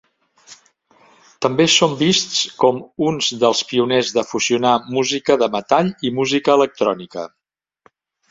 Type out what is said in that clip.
També són vists com uns dels pioners de fusionar música de metall i música electrònica.